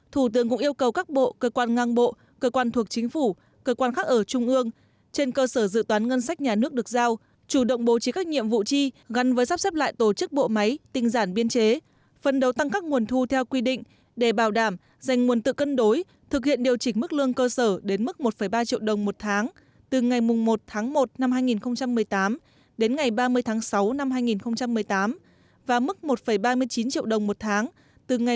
thủ tướng cũng yêu cầu các bộ cơ quan ngang bộ cơ quan thuộc chính phủ cơ quan khác ở trung ương trên cơ sở dự toán ngân sách nhà nước được giao chủ động bố trí các nhiệm vụ chi gắn với sắp xếp lại tổ chức bộ máy tinh giản biên chế phân đấu tăng các nguồn thu theo quy định để bảo đảm dành nguồn tự cân đối thực hiện điều chỉnh mức lương cơ sở đến mức một ba triệu đồng một tháng từ ngày một một hai nghìn một mươi tám đến ngày ba mươi sáu hai nghìn một mươi tám và mức một ba mươi chín triệu đồng một tháng từ ngày một bảy hai nghìn một mươi tám